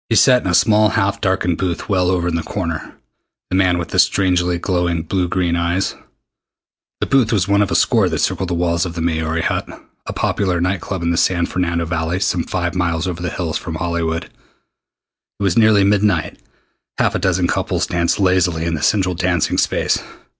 He sat in a small half darkened booth well over in the corner the man with the strangely glowing blue green eyes. The booth was one of a score that circled the walls of the "Maori Hut," a popular night club in the San Fernando Valley some five miles over the hills from Hollywood. It was nearly midnight. Half a dozen couples danced lazily in the central dancing space.